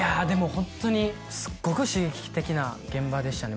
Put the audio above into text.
ホントにすっごく刺激的な現場でしたね